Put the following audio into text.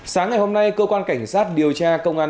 sáng ngày hôm nay cơ quan cảnh sát điều tra công an